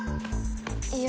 いや？